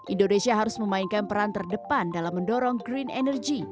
indonesia harus memainkan peran terdepan dalam mendorong green energy